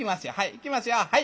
いきますよはい。